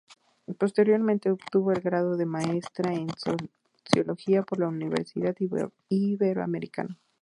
Posteriormente, obtuvo el grado de maestra en Sociología por la Universidad Iberoamericana.